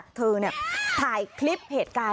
คุณผู้หญิงเสื้อสีขาวเจ้าของรถที่ถูกชน